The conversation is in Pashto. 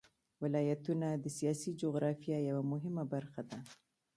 ولایتونه د سیاسي جغرافیه یوه مهمه برخه ده.